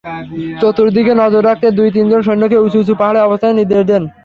চতুর্দিকে নজর রাখতে দুই-তিনজন সৈন্যকে উঁচু উঁচু পাহাড়ে অবস্থানের নির্দেশ দেন।